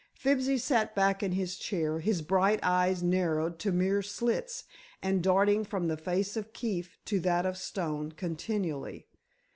Fibsy sat back in his chair, his bright eyes narrowed to mere slits and darting from the face of Keefe to that of Stone continually.